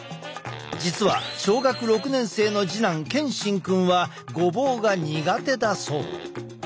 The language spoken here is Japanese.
実は小学６年生の次男健心くんはごぼうが苦手だそう。